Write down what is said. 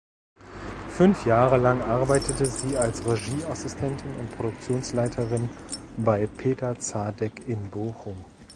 Fünf Jahre lang arbeitete sie als Regieassistentin und Produktionsleiterin bei Peter Zadek in Bochum.